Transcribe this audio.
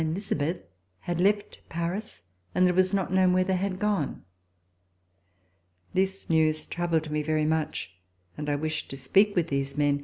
Elisabeth had left Paris and that it was not known where they had gone. This news troubled me very much, and I wished to speak with these men.